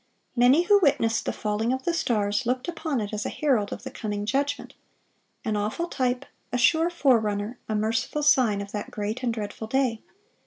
(559) Many who witnessed the falling of the stars, looked upon it as a herald of the coming judgment,—"an awful type, a sure forerunner, a merciful sign, of that great and dreadful day."